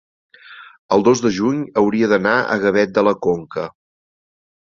el dos de juny hauria d'anar a Gavet de la Conca.